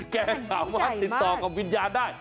แกสามารถติดต่อกับวิญญาณได้